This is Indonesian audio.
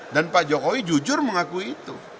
dan pak jokowi jujur mengakui itu